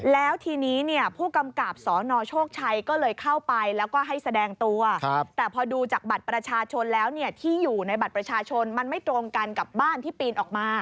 แล้วทีนี้เนี่ยผู้กำกับสนโชคชัยก็เลยเข้าไปแล้วก็ให้แสดงตัวแต่พอดูจากบัตรประชาชนแล้วเนี่ยที่อยู่ในบัตรประชาชนมันไม่ตรงกันกับบ้านที่ปีนออกมา